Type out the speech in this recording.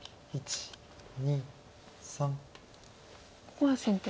ここは先手。